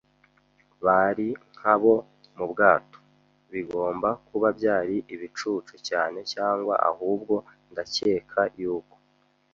bari nkabo mubwato - bigomba kuba byari ibicucu cyane. Cyangwa ahubwo, ndakeka yuko